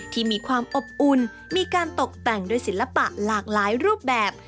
ที่มีความอบอุ่นมีการตกแต่งด้วยศิลปะหลากหลายรูปแบบ